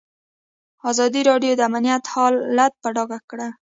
ازادي راډیو د امنیت حالت په ډاګه کړی.